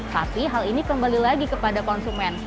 tapi hal ini kembali lagi kepada konsumen